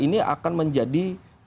ini akan menjadi